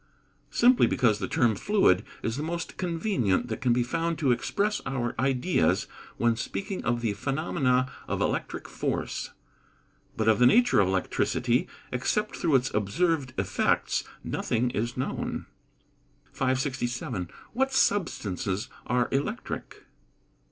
_ Simply because the term fluid is the most convenient that can be found to express our ideas when speaking of the phenomena of electric force. But of the nature of electricity, except through its observed effects, nothing is known. 567. _What substances are electric?